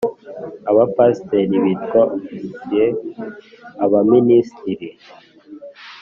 Abapasiteri bitwa ba Ofisiye abaministiri